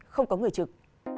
không có người trực